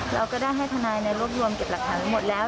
เราก็ได้ให้ทนายรวบรวมเก็บหลักฐานทั้งหมดแล้ว